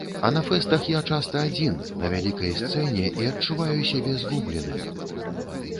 А на фэстах я часта адзін, на вялікай сцэне, і адчуваю сябе згубленым.